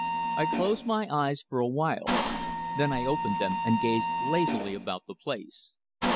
I closed my eyes for a while; then I opened them and gazed lazily about the place.